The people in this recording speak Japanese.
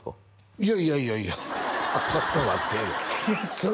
いやいやいやいやちょっと待ってえなそれ